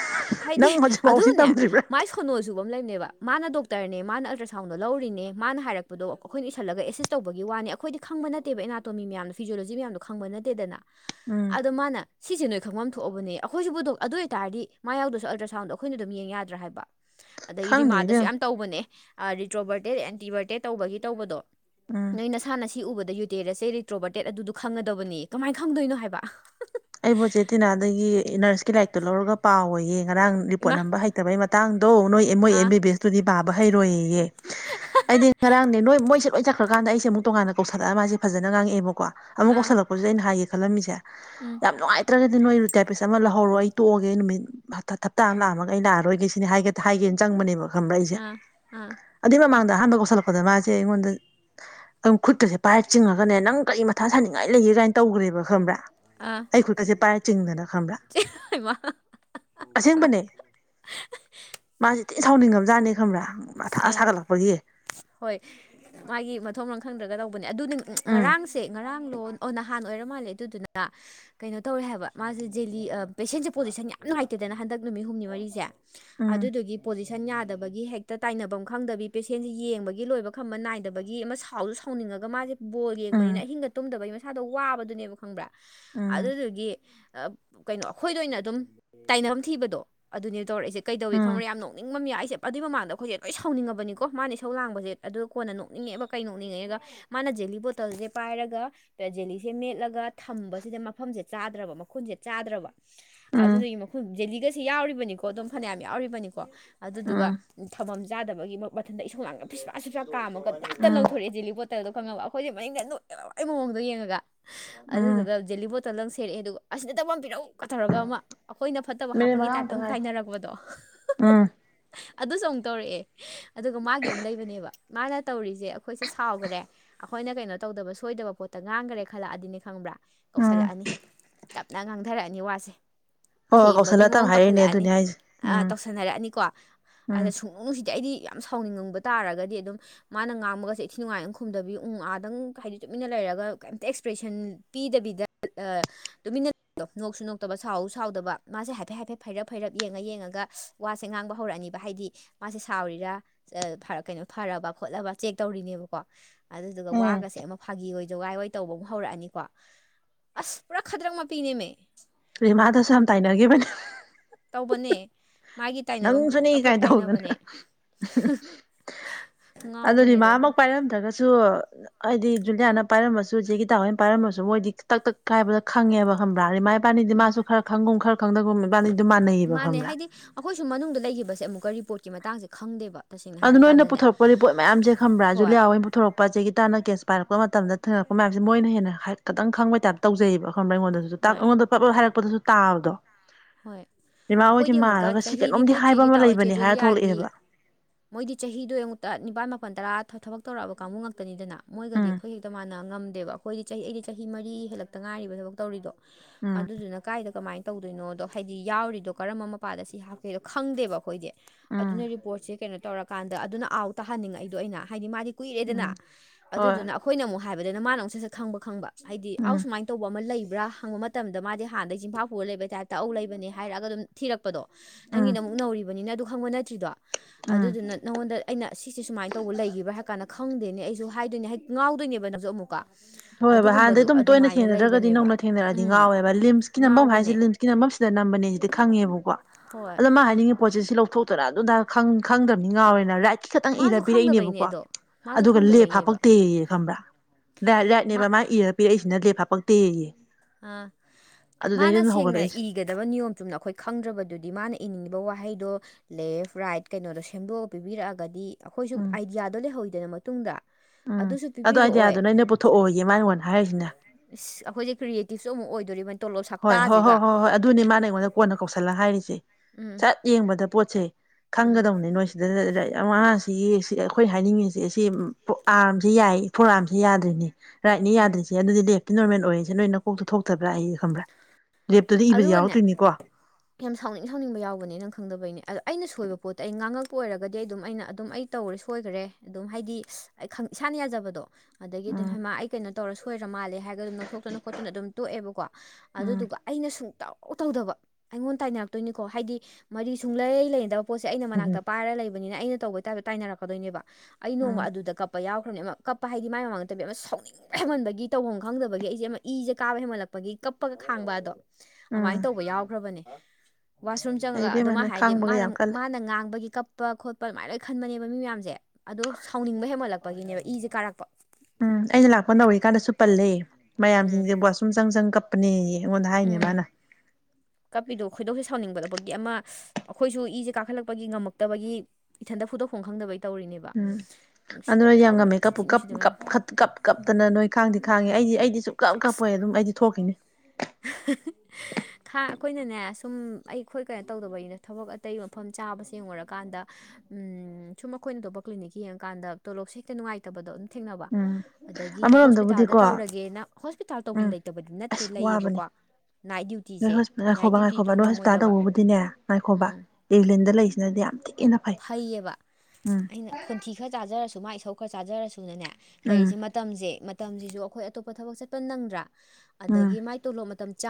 ꯍꯥꯏꯗꯤ ꯅꯪ ꯍꯧꯖꯤꯛꯐꯥꯎꯁꯤ ꯑꯗꯨꯅꯦ ꯇꯝꯗ꯭ꯔꯤꯕ꯭ꯔꯥ꯫ ꯃꯥꯏ ꯁꯣꯅꯣ ꯁꯨꯕ ꯑꯃ ꯂꯩꯅꯦꯕ ꯃꯥꯅ ꯗꯣꯛꯇꯔꯅꯦ ꯃꯥꯅ ꯑꯜꯇ꯭ꯔꯁꯥꯎꯟꯗꯣ ꯂꯧꯔꯤꯅꯦ ꯃꯥꯅ ꯍꯥꯏꯔꯛꯄꯗꯣ꯫ ꯑꯩꯈꯣꯏꯅ ꯏꯁꯜꯂꯒ ꯑꯦꯁꯤꯁ ꯇꯧꯕꯒꯤ ꯋꯥꯅꯤ ꯑꯩꯈꯣꯏꯗꯤ ꯈꯪꯕ ꯅꯠꯇꯦꯕ ꯑꯦꯅꯥꯇꯣꯃꯤ ꯃꯌꯥꯝꯗꯣ ꯐꯤꯖꯣꯂꯣꯖꯤ ꯃꯌꯥꯝꯗꯣ ꯈꯪꯕ ꯅꯠꯇꯦꯗꯅ꯫ ꯎꯝ *unintelligible* ꯑꯗꯣ ꯃꯥꯅ ꯁꯤꯁꯦ ꯅꯣꯏ ꯈꯪꯐꯝ ꯊꯣꯛꯑꯕꯅꯦ ꯑꯩꯈꯣꯏꯁꯤꯕꯨ ꯑꯗꯨ ꯑꯣꯏꯇꯥꯔꯗꯤ꯫ ꯃꯥ ꯌꯥꯎꯗꯁꯨ ꯑꯜꯇ꯭ꯔ ꯁꯥꯎꯟꯗꯣ ꯑꯩꯈꯣꯏꯅ ꯑꯗꯨꯝ ꯌꯦꯡ ꯌꯥꯗ꯭ꯔꯥ ꯍꯥꯏꯕ ꯑꯗꯒꯤ ꯈꯪꯗꯦ ꯔꯤꯃꯥꯗꯁꯨ ꯏꯕꯦꯝꯃ ꯌꯥꯝ꯫ ꯇꯧꯕꯅꯦ ꯔꯤꯇ꯭ꯔꯣꯕꯔꯇꯦꯠ ꯑꯦꯟꯇꯤꯚꯔꯇꯦꯠ ꯇꯧꯕꯒꯤ ꯇꯧꯕꯗꯣ꯫ ꯎꯝ꯫ ꯅꯣꯏ ꯅꯁꯥꯅ ꯁꯤ ꯎꯕꯗ ꯌꯨꯇꯦꯔ ꯆꯦꯔꯤ ꯇ꯭ꯔꯣꯕꯔꯇꯦꯠ ꯑꯗꯨꯗꯨ ꯈꯪꯒꯗꯕꯅꯤ ꯀꯃꯥꯏꯅ ꯈꯪꯗꯣꯏꯅꯣ ꯍꯥꯏꯕ꯫ ꯑꯩꯕꯨꯆꯦ ꯇꯤꯅꯥꯗꯒꯤ ꯅꯔꯁꯀꯤ ꯂꯥꯏꯔꯤꯛꯇꯣ ꯂꯧꯔꯒ ꯄꯥꯎ ꯑꯣꯏꯌꯦ ꯉꯔꯥꯡ ꯔꯤꯄꯣꯔꯠ ꯏꯃꯥ ꯅꯝꯕ꯫ ꯍꯩꯇꯕꯩ ꯃꯇꯥꯡꯗꯣ ꯅꯣꯏ ꯃꯣꯏ ꯑꯦꯝ ꯑꯥ ꯕꯤ ꯕꯤ ꯑꯦꯁꯇꯨꯗꯤ ꯄꯥꯕ ꯍꯩꯔꯣꯏꯌꯦ꯫ ꯑꯩꯗꯤ ꯉꯔꯥꯡꯅꯦ ꯅꯣꯏ ꯃꯣꯏꯁꯦ ꯂꯣꯏ ꯆꯠꯈ꯭ꯔꯀꯥꯟꯗ ꯑꯩꯁꯦ ꯑꯃꯨꯛ ꯇꯣꯉꯥꯟ ꯀꯧꯜꯂꯑꯒ ꯃꯥꯁꯦ ꯐꯖꯅ ꯉꯥꯡꯉꯑꯦꯕꯀꯣ꯫ ꯑꯃꯨꯛ ꯑꯥ ꯀꯧꯁꯜꯂꯛꯄꯁꯤꯗ ꯑꯩꯅ ꯍꯥꯏꯌꯦ ꯈꯜꯂꯝꯃꯤꯁꯦ꯫ ꯎꯝ ꯌꯥꯝ ꯅꯨꯡꯉꯥꯏꯇ꯭ꯔꯒꯗꯤ ꯅꯣꯢ *unintelligible* ꯄꯩꯁ ꯑꯃ ꯂꯧꯍꯧꯔꯣ ꯑꯩ ꯇꯣꯛꯑꯒꯦ ꯅꯨꯃꯤꯠ ꯍꯥꯞ꯫ ꯊꯞꯇꯥ ꯑꯃ ꯂꯥꯛꯑꯝꯃꯒ ꯑꯩ ꯂꯥꯛꯑꯔꯣꯏꯒꯦ ꯁꯤꯅꯤ ꯍꯥꯏ ꯍꯥꯏꯒꯦꯅ ꯆꯪꯕꯅꯦꯕ ꯈꯪꯕ꯭ꯔꯥ ꯑꯩꯁꯦ꯫ ꯑꯥ ꯑꯥ ꯑꯗꯨꯏ ꯃꯃꯥꯡꯗ ꯑꯍꯥꯟꯕ ꯀꯧꯁꯤꯜꯂꯛꯄꯗ ꯃꯥꯁꯦ ꯑꯩꯉꯣꯟꯗ ꯈꯨꯠꯀꯁꯦ ꯄꯥꯏꯔꯞ ꯆꯤꯡꯉꯒꯅꯦ ꯅꯪ ꯀꯔꯤ꯫ ꯑꯊꯥ ꯁꯥꯅꯤꯡꯉꯥꯏ ꯂꯩꯒꯦ ꯀꯥꯏꯅ ꯇꯧꯈ꯭ꯔꯦꯕ ꯈꯪꯕ꯭ꯔꯥ꯫ ꯑ ꯑꯩ ꯈꯨꯠꯀꯁꯦ ꯇꯣꯝꯃꯨꯔꯣ ꯄꯥꯏꯔ ꯇꯣꯝꯃꯨꯔꯣ ꯆꯤꯡꯗꯅ ꯈꯪꯕ꯭ꯔꯥ ꯍꯥꯢꯃꯥ꯫ ꯑꯁꯦꯡꯕꯅꯦ ꯃꯥꯁꯦ ꯊꯤ ꯁꯥꯎꯅꯤꯡꯉꯝꯖꯥꯠꯅꯤ ꯈꯪꯕ꯭ꯔꯥ꯫ ꯃꯊꯥꯑ ꯑꯥ ꯁꯥꯒꯠꯂꯛꯄꯒꯤ꯫ ꯍꯣꯏ ꯃꯥꯒꯤ ꯃꯊꯣꯝ ꯃꯔ ꯈꯪꯗ꯭ꯔꯒ ꯇꯧꯕꯅꯦ ꯑꯗꯨꯅ ꯎꯝ ꯉꯔꯥꯡꯁꯦ ꯉꯔꯥꯡ꯫ ꯂꯣꯟ ꯑꯣ ꯅꯍꯥꯟ ꯑꯣꯏꯔ ꯃꯥꯜꯂꯦ ꯑꯗꯨꯗꯨꯅ꯫ ꯀꯩꯅꯣ ꯇꯧꯔꯦ ꯍꯥꯏꯕ ꯃꯥꯁꯦ ꯖꯦꯂꯤ ꯄꯦꯁꯦꯟꯁꯦ ꯄꯣꯖꯤꯁꯟ ꯌꯥꯝ ꯅꯨꯡꯉꯥꯏꯇꯦꯗꯅ ꯍꯟꯗꯛ ꯅꯨꯃꯤꯠ ꯍꯨꯝꯅꯤ ꯃꯔꯤꯁꯦ꯫ ꯎꯝ ꯑꯗꯨꯗꯨꯒꯤ ꯄꯣꯖꯤꯁꯟ ꯌꯥꯗꯕꯒꯤ ꯍꯦꯛ꯫ ꯇꯥꯏꯅꯐꯝ ꯈꯪꯗꯕꯤ ꯄꯦꯁꯦꯟꯁꯦ ꯌꯦꯡꯕꯒꯤ ꯂꯣꯏꯕ ꯈꯝꯕ ꯅꯥꯏꯗꯕꯒꯤ ꯑꯃ ꯁꯥꯎꯁꯨ ꯁꯥꯎꯅꯤꯡꯉꯒ ꯃꯥꯁꯦ꯫ ꯕꯣꯜ ꯌꯦꯡꯕꯅꯤꯅ ꯎꯝ ꯑꯍꯤꯡꯒ ꯇꯨꯝꯗꯕꯒꯤ ꯃꯁꯥꯗꯣ ꯋꯥꯕꯗꯨꯅꯦꯕ ꯈꯪꯕ꯭ꯔꯥ ꯎꯝ ꯑꯗꯨꯗꯨꯒꯤ ꯑ꯫ ꯀꯩꯅꯣ ꯑꯩꯈꯣꯏꯗ ꯑꯣꯏꯅ ꯑꯗꯨꯝ ꯇꯥꯏꯅꯐꯝ ꯊꯤꯕꯗꯣ ꯑꯗꯨꯅꯦ ꯇꯧꯔꯛꯏꯁꯦ ꯀꯩꯗꯧꯢ ꯎꯝ ꯈꯪꯕ꯭ꯔꯥ ꯌꯥꯝꯅꯣ꯫ ꯅꯤꯡ ꯃꯝ ꯌꯥꯎ ꯑꯗꯨꯏ ꯃꯃꯥꯡꯗ꯫ ꯑꯩꯈꯣꯏꯁꯦ ꯂꯣꯏ ꯁꯥꯎꯅꯤꯡꯉꯕꯅꯤꯀꯣ ꯃꯥꯅ ꯢꯁꯧ ꯂꯥꯡꯕꯁꯦ ꯑꯗꯨ ꯀꯣꯟꯅ ꯅꯣꯛꯅꯤꯡꯉꯦꯕ ꯀꯩ ꯅꯣꯛꯅꯤꯡꯉꯦ ꯑꯗꯨꯒ꯫ ꯃꯥꯅ ꯖꯦꯂꯤ ꯕꯣꯇꯜꯁꯦ ꯄꯥꯏꯔꯒ꯫ ꯖꯦꯂꯤꯁꯦ ꯃꯦꯠꯂꯒ ꯊꯝꯕꯁꯤꯗ ꯃꯐꯝꯁꯦ ꯆꯥꯗ꯭ꯔꯕ ꯃꯈꯨꯟꯁꯦ ꯆꯥꯗ꯭ꯔꯕ꯫ ꯎꯝ ꯑꯗꯨꯗꯒꯤ ꯃꯈꯨ ꯖꯦꯂꯤꯒꯁꯤ ꯌꯥꯎꯔꯤꯕꯅꯤꯀꯣ ꯑꯗꯨꯝ ꯐꯅꯌꯥꯝ ꯌꯥꯎꯔꯤꯕꯅꯤꯀꯣ ꯎꯝ ꯑꯗꯨꯗꯨꯒ꯫ ꯊꯝꯐꯝ ꯆꯥꯗꯕꯒꯤ ꯃꯊꯇ ꯏꯁꯧ ꯂꯥꯡꯉꯥ ꯄꯤꯁ ꯄꯥ ꯄꯤꯁ ꯄꯥ ꯀꯥꯝꯃꯒ ꯂꯥꯛꯇ ꯎꯝ ꯂꯧꯊꯣꯔꯑ ꯖꯤꯦꯂꯤꯕꯣꯠ꯫ ꯗꯣ ꯈꯪꯉꯕ ꯑꯩꯈꯣꯏꯁꯦ ꯃꯅꯤꯡꯗ ꯃꯑꯣꯡꯗꯣ ꯌꯦꯡꯉꯒ ꯎꯝ ꯑꯗꯨꯗꯨꯒ ꯖꯦꯂꯤꯕꯣꯠ꯫ ꯂꯪ ꯁꯦꯔꯛꯑꯦ ꯑꯗꯨꯒ ꯑꯁꯤ ꯅꯠꯇꯕ ꯑꯃ ꯄꯤꯔꯛꯎꯀ ꯇꯧꯔꯒ ꯑꯃ ꯑꯩꯈꯣꯏꯅ꯫ ꯐꯠꯇꯕ ꯃꯤꯅꯤꯠ ꯍꯥꯞꯄꯒꯤ ꯇꯥꯏꯞꯇꯣ ꯃꯉꯥꯃꯨꯛꯇ ꯑꯃꯨꯛ ꯉꯥꯏꯌꯣ ꯇꯥꯏꯅꯔꯛꯄꯗꯣ꯫ ꯎꯝ꯫ ꯑꯗꯨꯁꯨ ꯑꯃꯨꯛ ꯇꯧꯔꯛꯑꯦ ꯑꯗꯨꯒ ꯃꯥꯒꯤ ꯑꯃ ꯂꯩꯕꯅꯦꯕ ꯃꯥꯅ ꯇꯧꯔꯤꯁꯦ ꯑꯩꯈꯣꯏꯁꯦ ꯁꯥꯎꯈ꯭ꯔꯦ꯫ ꯑꯩꯈꯣꯏꯅ ꯀꯩꯅꯣ ꯇꯧꯗꯕ ꯁꯣꯏꯗꯕ ꯄꯣꯠꯇ ꯉꯥꯡꯈꯔꯦ ꯈꯜꯂꯛꯑꯗꯤꯅꯤ ꯈꯪꯕ꯭ꯔꯥ꯫ ꯎꯝ ꯀꯧꯁꯤꯜꯂꯛꯑꯅꯤ ꯇꯞꯅ ꯉꯥꯡꯊꯔꯛꯑꯅꯤ ꯋꯥꯁꯦ꯫ ꯍꯣꯏ ꯍꯣꯏ ꯊꯦꯝꯕꯒꯤ ꯀꯧꯁꯜꯂ ꯇꯞ ꯃꯑꯣꯡ ꯍꯥꯏꯔꯛꯏꯅꯦ ꯇꯧꯈꯠꯂꯛꯑꯅꯤ ꯑꯗꯨꯅꯦ ꯍꯥꯏꯁꯦ ꯑ ꯎꯝ ꯇꯧꯁꯟꯅꯔꯛꯑꯅꯤꯀꯣ꯫ ꯑꯗ ꯎꯝ ꯁꯨꯡꯅꯨꯡ ꯅꯨꯡꯁꯤꯗꯤ ꯑꯩꯗꯤ ꯌꯥꯝ ꯁꯥꯎꯅꯤꯡꯉꯕ ꯇꯥꯔꯒꯗꯤ ꯑꯗꯨꯝ꯫ ꯃꯥꯅ ꯉꯥꯡꯕꯒꯁꯦ ꯏꯊꯤ ꯅꯨꯡꯉꯥꯏꯅ ꯈꯨꯝꯗꯕꯤ ꯎ ꯑꯥꯗꯪ ꯍꯥꯏꯗꯤ ꯇꯨꯃꯤꯟꯅ ꯂꯩꯔꯒ ꯀꯩꯝꯇ ꯑꯦꯛꯁꯄ꯭ꯔꯦꯁꯟ ꯄꯤꯗꯕꯤꯗ꯫ ꯑ *unintelligible* ꯇꯨꯃꯤꯟꯅ ꯂꯩꯕꯗꫭ ꯅꯣꯛꯁꯨ ꯅꯣꯛꯇꯕ ꯁꯥꯎꯁꯨ ꯁꯥꯎꯗꯕ ꯃꯥꯁꯦ ꯍꯥꯏꯐꯦꯠ ꯍꯥꯏꯐꯦꯠ ꯐꯩꯔꯞ ꯐꯩꯔꯞ ꯌꯦꯡꯉ ꯌꯦꯡꯉꯒ ꯋꯥꯁꯦ ꯉꯥꯡꯕ ꯍꯧꯔꯛꯑꯅꯤꯕ ꯍꯥꯏꯗꯤ ꯃꯥꯁꯦ ꯁꯥꯎꯔꯤꯔꯥ ꯀꯩꯅꯣ ꯐꯔꯕ ꯈꯣꯠꯂꯕ ꯆꯦꯛ ꯇꯧꯔꯤꯅꯦꯕꯀꯣ ꯑꯗꯨꯗꯨꯒ ꯎꯝ ꯋꯥꯒꯁꯦ ꯑꯃꯨꯛ ꯐꯥꯒꯤ ꯑꯣꯏ ꯋꫭꯏ ꯖꫭꯒꯥꯏ ꯋꫭꯏ ꯇꯧꯕꯃꯨꯛ ꯍꯧꯔꯛꯑꯅꯤꯀꯣ ꯑꯁ ꯄꯨꯔꯥ ꯈꯗ꯭ꯔꯛ ꯃꯄꯤꯅꯦꯃꯤ ꯔꯤꯃꯗꯁꯨ ꯌꯥꯝ ꯇꯥꯏꯅꯈꯤꯕꯅꯦ ꯇꯧꯕꯅꯦ ꯃꯥꯒꯤ ꯇꯥꯏꯅꯐꯝ ꯅꯪꯁꯨꯅꯤ ꯄꯨꯂꯞ ꯄꯨꯂꯞ ꯀꯥꯏꯅ ꯇꯧꯗꯅ ꯇꯥꯏꯅꯕꯅꯦ ꯑꯗꯨ ꯉꯥꯎꯕꯅꯦ ꫪꯤꯃꯥ ꯑꯗꯣ ꯃꯛ ꯄꯥꯏꯔꯝꯗ꯭ꯔꯒ ꯁꯨ ꯍꯥꯏꯗꯤ ꯖꯨꯂꯤꯌꯥꯅ ꯄꯥꯏꯔꯝꯃꯁꯨ ꯆꯦꯒꯤ ꯇꯥꯛꯍꯣꯏꯅ ꯄꯥꯏꯔꯝꯃꯁꯨ ꯃꯣꯏꯗꯤ ꯇꯛ ꯇꯛ ꯀꯥꯏꯕꯗ *unintelligible* ꯈꯪꯉꯦꯕ ꯈꯪꯕ꯭ꯔꯥ ꯔꯤꯃꯥ ꯏꯕꯥꯅꯤꯗꯤ ꯎꯝ ꯃꯥꯁꯨ ꯈꯔ ꯈꯪꯒꯨꯝ ꯈꯔ ꯈꯪꯗꯒꯨꯝ ꯏꯕꯥꯅꯤꯗꯨꯝ ꯃꯥꯟꯅꯩꯌꯦꯕ ꯃꯥꯅꯦ ꯈꯪꯕ꯭ꯔꯥ ꯍꯥꯏꯗꯤ ꯑꯩꯈꯣꯏꯁꯨ ꯃꯅꯨꯡꯗ ꯂꯩꯈꯤꯕꯁꯦ ꯑꯃꯨꯛꯀ ꯔꯤꯄꯣꯔꯠꯀꯤ ꯃꯇꯥꯡꯁꯦ ꯈꯪꯗꯦꯕ ꯇꯁꯦꯡꯅ ꯑꯗꯨ‌ ꯅꯣꯏꯅ ꯍꯥꯏꯔꯀꯥꯟꯗꯅꯦ ꯄꯨꯊꫭꯔꯛꯄ ꯔꯤꯄꯣꯠ ꯃꯌꯥꯝꯁꯦ ꯈꯪ꯭ꯕꯔꯥ ꯍꯣꯏ ꯖꯨꯂꯤꯌꯥꯎꯋꯅ ꯄꯨꯊꯣꯔꯛꯄ ꯄꯥ ꯆ‌ꯦꯒꯤꯇꯥꯅ ꯀꯦꯁ ꯄꯥꯏꯔꯛꯄ ꯃꯇꯝꯗ ꯊꯦꯡꯅꯔꯛꯄ ꯃꯌꯥꯝꯁꯦ ꯃꯣꯏꯅ ꯍꯦꯟꯅ ꯍꯥꯏ ꯈꯤꯇꯪ ꯈꯪ ꯇꯥꯏꯞ ꯇꯧꯖꯩꯌꯦꯕ ꯈꯪꯕ꯭ꯔꯥ ꯑꯩꯉꯣꯟꯗꯁꯨ ꯇ *unintelligible* ꯍꯣꯏ ꯑꯩꯉꯣꯟꯗ ꯄꯕꯠꯂ ꯍꯥꯏꯔꯛꯄꯗꯁꯨ ꯇꯥꯕꯗꯣ ꯍꯣꯏ ꯏꯃꯥꯍꯣꯏꯗꯤ ꯑꯩꯈꯣꯏꯗꯤ ꯑꯃꯨꯛꯀ ꯃꯥꯔꯒ ꯁꯤ ꯆꯍꯤꯗꯤ ꯀꯩꯅꯣꯝꯗꯤ ꯃꯣꯏ ꯍꯥꯏꯕ ꯆꯦꯒꯤ ꯑꯃ ꯇꯥꯑꯣꯏ ꯆꯦ ꯂꯩꯕꯅꯦ ꯍꯥꯏꯔ ꯖꯨꯂꯤꯌꯥꯗꯤ ꯊꯣꯛꯂꯛꯑꯦꯕ ꯃꯣꯏꯗꯤ ꯆꯍꯤꯗꯨ ꯑꯃꯨꯛꯇ ꯅꯤꯄꯥꯜ ꯃꯥꯄꯜ ꯇꯔꯥ ꯊꯕꯛ ꯇꯧꯔꯛꯑꯕ ꯀꯥꯡꯕꯨ ꯉꯥꯛꯇꯅꯤꯗꯅ ꯃꯣꯏꯒꯗꯤ ꯎꯝ ꯑꯩꯈꯣꯏꯒ ꯃꯥꯅ ꯉꯝꯗꯦꯕ ꯑꯩꯈꯣꯏꯗꯤ ꯆꯍꯤ ꯑꯩꯗꯤ ꯆꯍꯤ ꯃꯔꯤ ꯍꯦꯜꯂꯛꯇ ꯉꯥꯏꯔꯤꯕ ꯊꯕꯛ ꯇꯧꯔꯤꯗꯣ ꯎꯝ ꯑꯗꯨꯗꯨꯅ ꯀꯥꯏꯗ ꯀꯃꯥꯏꯅ ꯇꯧꯗꯣꯏꯅꯣꯗꫭ ꯍꯥꯏꯗꯤ ꯌꯥꯎꯔꯤꯗꯣ ꯀꯔꯝꯕ ꯃꯄꯥꯗ ꯁꯤ ꯍꯥꯞꯀꯦꯗꯣ ꯈꯪꯗꯦꯕ ꯑꯩꯈꯣꯏꯗꯤ ꯎꯝ ꯑꯗꯨꯅ ꯔꯤꯄꯣꯔꯠꯁꯦ ꯀꯩꯅꯣ ꯇꯧꯔꯀꯥꯟꯗ ꯑꯗꯨꯅ ꯑꯥꯎ ꯇꯥꯍꯟꯅꯤꯡꯉꯛꯏꯗꯣ ꯑꯩꯅ ꯍꯥꯏꯗꯤ ꯃꯥꯗꯤ ꯀꯨꯏꯔꯦꯗꯅ ꯎꯝ ꯍꯣꯏ ꯑꯗꯨꯗꯨꯅ ꯑꯩꯈꯣꯏꯅ ꯑꯃꯨꯛ ꯍꯥꯏꯕꯗꯅ ꯃꯥꯅ ꯑꯃꯨꯛ ꯁꯠ ꯁꯠ ꯈꯪꯕ ꯈꯪꯕ ꯍꯥꯏꯗꯤ ꯑꯥꯎ ꯎꯝ ꯁꯨꯃꯥꯏꯅ ꯇꯧꯕ ꯑꯃ ꯂꯩꯕ꯭ꯔꯥ ꯍꯪꯕ ꯃꯇꯝ ꯃꯇꯝꯗ ꯃꯥꯗꯤ ꯍꯥꯟꯅꯗꯩ ꯆꯤꯟꯐꯥ ꯄꯨꯔ ꯂꯩꯕꯩ ꯇꯥꯏꯞꯇ ꯇ ꯍ *unintelligible* ꯂꯩꯕꯅꯦ ꯍꯥꯏꯔꯛꯑꯒ ꯑꯗꯨꯝ ꯊꯤꯔꯛꯄꯗꯣ ꯎꯝ ꯅꯪꯒꯤꯅ ꯑꯃꯨꯛ ꯅꯧꯔꯤꯕꯅꯤꯅ ꯑꯗꯨ ꯈꯪꯕ ꯅꯠꯇ꯭ꯔꯤꯗꯣ ꯎꯝ ꯑꯗꯨꯗꯨꯅ ꯅꯪꯉꯣꯟꯗ ꯑꯩꯅ ꯁꯤꯁꯦ ꯁꯨꯃꯥꯏꯅ ꯇꯧꯕ ꯂꯩꯈꯤꯕ꯭ꯔꯥ ꯍꯥꯏ ꯀꯥꯟꯗ ꯈꯪꯗꯦꯅꯦ ꯑꯩꯁꯨ ꯍꯥꯏꯗꯣꯏꯅꯦ ꯉꯥꯎꯗꯣꯏꯅꯦꯕ ꯅꯪꯁꯨ ꯑꯃꯨꯛꯀ ꯍꯣꯏꯕꯥ ꯍꯥꯟꯅꯗꯩ ꯑꯗꯨꯒꯨꯝꯕꯗꯣ ꯑꯗꯨꯝ ꯇꯣꯏꯅ ꯑꯗꯨꯃꯥꯏꯅ ꯊꯦꯡꯅꯗ꯭ꯔꯒꯗꯤ ꯂꯩꯕꯅꯦꯕ ꯅꯧꯅ ꯊꯦꯡꯅꯔꯛꯑꯗꯤ ꯎꯝ ꯉꯥꯎꯋꯦꯕ ꯂꯤꯝꯁꯀꯤ ꯅꯝꯐꯝ ꯍꯥꯏꯁꯤ ꯉꯥꯎꯕꯅꯦ ꯂꯤꯝꯁ ꯀꯤ ꯅꯝꯕꯝꯁꯤꯗ ꯅꯝꯕꯅꯦ ꯁꯤꯗꯤ ꯈꯪꯉꯦꯕꯀꯣ ꯍꯣꯏ ꯑꯗꯣ ꯃꯥ ꯍꯥꯏꯅꯤꯡꯉꯤ ꯄꯣꯠꯁꯦ ꯁꯤ ꯂꯧꯊꯣꯛ ꯅ *unintelligible* ꯑꯗꯨꯝꯗ ꯈꯪꯗꯕꯅꯤ ꯉꯥꯎꯋꯦꯅ ꯔꯥꯏꯠ ꯈꯛꯇꯪ ꯏꯔ ꯃꯥꯁꯨ ꯈꯪꯗꯕꯩꯅꯦ ꯄꯤꯔꯛꯏꯅꯦꯕꯀꯣ ꯑꯗꯣ ꯃꯥꯁꯨ ꯑꯗꯨꯒ ꯂꯦꯞ ꯈꯪꯗꯕꯩꯅꯦꯕ ꯍꯥꯄꯛꯇꯦꯌ‌ꯦ ꯈꯪꯕ꯭ꯔꯥꯥ ꯔꯥꯏꯠ ꯅꯦꯕ ꯃꯥ ꯏꯔꯥ ꯄꯤꯔꯛꯏꯁꯤꯅ ꯂꯦꯞ ꯍꯥꯞꯄꯛꯇꯦꯌꯦ ꯑꯥ ꯑꯗꯨꯗꯩꯅꯦ ꯃꯥꯅ ꯑꯗꯨꯝ ꯁꯦꯡꯅ ꯍꯧꯒꯠꯂꯛꯏꯁꯦ ꯏ ꯏꯒꯗꯕ ꯅꯤꯌꯣꯝ ꯆꯨꯝꯅ ꯑꯩꯈꯣꯏ ꯈꯪꯗ꯭ꯔꯕꯗꯨꯗꯤ ꯃꯥꯅ ꯏꯅꯤꯡꯉꯤꯕ ꯋꯥꯍꯩꯗꯣ ꯂꯦꯐ ꯔꯥꯏꯠ ꯀꯩꯅꯣꯗꯣ ꯁꯦꯝꯗꯣꯛꯑ ꯄꯤꯕꯤꯔꯛꯑꯒꯗꯤ ꯑꯩꯈꯣꯏꯁꯨ ꯎꯝ ꯑꯥꯏꯗꯤꯌꯥꯗꯣ ꯂꯩꯍꯧꯗꯅ ꯃꯇꯨꯡꯗ ꯎꯝ ꯑꯗꯨꯁꯨ ꯑꯗꯣ ꯄꯤꯕꯤꯔꯛꯑꯣꯏ ꯑꯥꯏꯗꯤꯌꯥꯗꯨꯅ ꯑꯩꯅ ꯄꯨꯊꯣꯛꯑꯣꯌ‌ꯦ ꯃꯥꯅ ꯑꯩꯉꯣꯟꯗ ꯍꯥꯏꯔꯤꯁꯤꯅ ꯏꯁ ꯑꯩꯈꯣꯏꯁꯦ ꯀ꯭ꯔꯤꯌꯦꯇꯤꯞꯁꯨ ꯑꯃꯨꯛ ꯑꯣꯏꯗꯣꯔꯤꯕꯅ ꯍꯣꯏ ꯍꯣꯏ ꯍꯣꯏ ꯍꯣꯏ ꯍꯣꯏ ꯑꯗꯨꯅꯤ ꯃꯥꯅ ꯑꯩꯉꯣꯟꯗ ꯀꯣꯟꯅ ꯀꯧꯁꯜꯂꯒ ꯍꯥꯏꯔꯤꯁꯦ ꯎꯝ ꯁꯠ ꯌꯦꯡꯕꯗ ꯄꯣꯠꯁꯦ ꯎꯝ ꯈꯪꯒꯗꯧꯅꯤ ꯅꯣꯏꯁ ꯁꯤꯗꯁꯤ *unintelligible* ꯑꯩꯈꯣꯏ ꯍꯥꯏꯅꯤꯡꯉꯁꯤ ꯁꯤ ꯑꯥꯔꯝꯁꯤ ꯌꯥꯏ ꯐꯣꯔ ꯑꯥꯝꯁꯤ ꯌꯥꯗ꯭ꯔꯤꯅꯦ ꯔꯥꯏꯠꯅꯤ ꯎꯝ ꯌꯥꯗ꯭ꯔꯤꯁꯦ ꯑꯗꯨꯗꯤ ꯂꯦꯐꯇꯤ ꯅꯣꯔꯃꯦꯜ ꯑꯣꯏꯔꯤꯁꯦ ꯅꯣꯏ ꯅꯀꯣꯛꯇꯣ ꯊꯣꯛꯇꯕ꯭ꯔꯥꯌ‌ꯦ ꯈꯪꯕ꯭ꯔꯥ ꯂꯦꯞꯇꯨꯗꯤ ꯑ ꯏꯕꯗꯤ ꯑꯗꯨꯒꯅꯦ ꯌꯥꯎꯔꯛꯇꯣꯏꯅꯤꯀꯣ ꯌꯥꯝ ꯁꯥꯎꯅꯤꯡ ꯁꯥꯎꯅꯤꯡꯕ ꯌꯥꯎꯕꯅꯦ ꯅꯪ ꯈꯪꯗꯕꯩꯅꯦ ꯑꯗꯣ ꯑꯩꯅ ꯁꯣꯏꯕ ꯄꯣꯠꯇꯣ ꯑꯩ ꯉꯥꯡꯉꯛꯄ ꯑꯣꯏꯔꯒꯗꯤ ꯑꯩ ꯑꯗꯨꯝ ꯑꯩꯅ ꯑꯗꯨꯝ ꯑꯩ ꯇꯧꯈꯔꯦ ꯁꯣꯏꯈ꯭ꯔꯦ ꯑꯗꯨꯝ ꯍꯥꯏꯗꯤ ꯑꯩ ꯏꯁꯥꯅ ꯌꯥꯖꯕꯗꯣ ꯑꯗꯒꯤ ꯑꯗꯨꯝ ꯎꯝ ꯍꯩꯃꯥ ꯑꯩ ꯀꯩꯅꯣ ꯇꯧꯔ ꯁꯣꯏꯔ ꯃꯥꯜꯂꯦ ꯍꯥꯏꯔꯒ ꯑꯗꯨꯝ ꯅꫭꯛꯊꯣꯛꯇꯅ ꯈꯣꯠꯇꯅ ꯑꯗꯨꯝ ꯇꯣꯛꯑꯦꯕꯀꯣ ꯎꯝ ꯑꯗꯨꯗꯨꯒ ꯑꯩꯅ ꯁꯨꯡꯇꯧ ꯇꯧꯗꯕ ꯑꯩꯉꯣꯟ ꯇꯥꯏꯅꯔꯛꯇꯣꯏꯅꯤꯀꯣ ꯍꯥꯏꯗꯤ ꯃꯔꯤ ꯁꯨꯡꯂꯩ ꯂꯩꯅꯗꯕ ꯄꯣꯠꯁꯦ ꯑꯩꯅ ꯃꯅꯥꯛꯇ ꯄꯥꯏꯔ ꯂꯩꯕꯅꯤꯅ ꯑꯩꯅ ꯇꯧꯕꯩ ꯇꯥꯏꯞꯇ ꯇꯥꯏꯅꯔꯛꯀꯗꯣꯏꯅꯦꯕ ꯑꯩ ꯅꯣꯡꯃ ꯎꯝ ꯑꯗꯨꯗ ꯀꯞꯄ ꯌꯥꯎꯈ꯭ꯔꯕꯅꯦꯅ ꯀꯞꯄ ꯍꯥꯏꯗꯤ ꯃꯥꯏ ꯃꯃꯥꯡꯗꯅꯠꯇꯕꯤ ꯑꯃ ꯁꯥꯎꯅꯤꯡ ꯍ‌ꯦꯃꯟꯕꯒꯤ ꯇꯧꯐꯝ ꯈꯪꯗꯕꯒꯤ ꯑꯩꯁꯦ ꯑꯃ ꯏꯁꯖꯦ ꯀꯥꯕ ꯍꯦꯟꯃꯜꯂꯛꯄꯒꯤ ꯀꯞꯄꯒ ꯈꯥꯡꯕ ꯍꯥꯏꯗꯣ ꯑꯗꯨꯃꯥꯏꯅ ꯎꯝ ꯇꯧꯕ ꯌꯥꯎꯈ꯭ꯔꯕꯅꯦ ꯋꯥꯁꯔꯨꯝ ꯐꯩ ꯆꯪꯉꯒ ꯑꯗꯨꯝ ꯏꯕꯦꯝꯃꯅ ꯍꯥꯏꯗꯤ ꯈꯥꯡꯕꯒ ꯃꯥꯅ ꯌꯥꯝ ꯀꯜꯂꯦ ꯃꯥꯅ ꯉꯥꯡꯕꯒꯤ ꯀꯞꯄ ꯈꯣꯠꯄ ꯑꯗꯨꯃꯥꯏꯅ ꯂꯣꯏ ꯈꯟꯕꯅꯦꯕ ꯃꯤ ꯃꯌꯥꯝꯁꯦ ꯑꯗꯣ ꯁꯥꯎꯅꯤꯡꯕ ꯍꯦꯃꯠꯂꯛꯄꯒꯤꯅꯦꯕ ꯏꯁꯦ ꯀꯥꯔꯛꯄ ꯎꯝ ꯑꯩꯅ ꯂꯥꯛꯄ ꯅꯧꯔꯤꯀꯥꯟꯗꯁꯨ ꯄꯜꯂ‌ꯦ ꯎꯝ ꯃꯌꯥꯝꯁꯤꯡꯁꯦ ꯋꯥꯁꯔꯨꯝ ꯆꯪ ꯆꯪ ꯀꯞ ꯄꯅꯦꯌꯦ ꯑꯩꯉꯣꯟꯗ ꯍꯥꯏꯅꯦ ꯎꯝ ꯃꯥꯅ ꯀꯞꯄꯤꯗꯣ ꯈꯣꯏꯗꯧꯁꯦ ꯁꯥꯎꯅꯤꯡꯕꯗꯕꯒꯤ ꯑꯃ ꯑꯩꯈꯣꯏꯁꯨ ꯏꯁꯁꯦ ꯀꯥꯈꯠꯂꯛꯄꯒꯤ ꯉꯝꯃꯛꯇꯕꯒꯤ ꯏꯊꯟꯇ ꯐꯨꯗꯣꯛꯐꯝ ꯈꯪꯗꯕꯩ ꯇꯧꯔꯤꯅꯦꯕ ꯎꯝ ꯑꯗꯨ ꯅꯨꯡꯁꯤꯗꯕ ꯅꯣꯏꯗꯤ ꯌꯥꯝ ꯌꯥꯎꯅ ꯉꯝꯃꯦ ꯊꯤ ꯀꯞꯄꯨ ꯊꯤ ꯀꯞ ꯅꯨꯡꯁꯤꯗꯕꯎ ꯀꯞ ꯈꯠ ꯀꯞ ꯀꯞꯇꯅ ꯅꯣꯏ ꯈꯥꯡꯗꯤ ꯈꯥꯡꯉꯦ ꯑꯩꯗꯤ ꯑꯩꯗꯤ ꯁꯨ ꯀꯞ ꯀꯞꯄꯣꯏ ꯑꯁ ꯑꯗꯨꯝ ꯑꯩꯗꯤ ꯊꯣꯛꯈꯤꯅꯤ *unintelligible* ꯈꯥ ꯑꯩꯈꯣꯏꯅꯅꯦ ꯁꯨꯝ ꯑꯩꯈꯣꯏ ꯀꯩꯅꯣ ꯇꯧꯗꯕꯩꯅ ꯊꯕꯛ ꯑꯇꯩ ꯃꯐꯝ ꯆꯥꯕꯁ‌ꯦ ꯌꯦꯡꯉꯨꯔꯀꯥꯟꯗ ꯎꯝ ꯁꯨꯝ ꯑꯩꯈꯣꯏꯅ ꯇꯣꯧꯕꯄ ꯀ꯭ꯅꯤꯛꯀꯤ ꯌꯦꯡꯉꯀꯥꯟꯗ ꯇꯣꯂꯣꯞꯁꯦ ꯍꯦꯛꯇ ꯅꯨꯡꯉꯥꯏ ꯇꯕꯗꯣ ꯑꯗꯨꯝ ꯊꯦꯡꯅꯕ ꯎꯝ ꯑꯗꯒꯤ ꯍꯣꯁꯄꯤꯇꯥꯜꯗ ꯑꯃꯔꯣꯝꯗꯕꯨꯗꯤꯀꯣ ꯇꯧꯔꯒꯦꯅ ꯍꯣꯁꯄꯤꯇꯥꯜ ꯇꯧꯐꯝ ꯎꯝ ꯂꯩꯇꯕꯗꯤ ꯅꯠꯇꯦ ꯑꯁ ꯋꯥꯕꯅꯦ ꯂꯩꯌꯦꯕꯀꯣ ꯅꯥꯏꯠ ꯅꯣꯏ ꯗ꯭ꯌꯨꯇꯤꯁꯦ ꯍ‌ꯣꯁ ꯅꯥꯏꯠ ꯉꯥꯏꯈꯣꯕ ꯉꯥꯏꯈꯣꯕ ꯗ꯭ꯌꯨꯇꯤꯗꯣ ꯅꯣꯏ ꯍꯣꯁꯄꯤꯇꯥꯜ ꯉꯝꯃꯣꯏꯗꯕ ꯇꯧꯕꯕꯨꯗꯤꯅꯦ ꯉꯥꯏꯈꯣꯕ ꯎꯝ ꯏꯪꯂꯦꯟꯗ ꯂꯩꯁꯤꯅꯗꯤ ꯌꯥꯝ ꯊꯤꯅ ꯐꯩ ꯐꯩꯌꯦꯕ ꯎꯝ ꯑꯩꯅ ꯈꯣꯟꯊꯤ ꯈꯔ ꯆꯥꯖꯔꯁꯨ ꯃꯥ ꯏꯁꯧ ꯈꯔ ꯆꯥꯖꯔꯁꯨꯅꯅꯦ ꯎꯝ ꯂꯩꯔꯤꯁꯦ ꯃꯠ ꯇꯝꯖ‌ꯦ ꯃꯇꯝꯖꯤꯖꯨ ꯑꯩꯈꯧꯏ ꯑꯇ‍ꯣꯞꯄ ꯊꯕꯛ ꯆꯠꯄ ꯅꯪꯗ꯭ꯔ ꯎꯝ ꯑꯗꯒꯤ ꯃꯥꯏ ꯇ‍ꯣꯂ‌ꯣꯞ ꯃꯇꯝ ꯆꯥꯡ